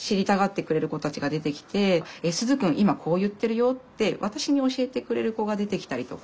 今こう言ってるよ」って私に教えてくれる子が出てきたりとか。